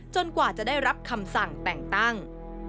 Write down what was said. กว่าจะได้รับคำสั่งแต่งตั้ง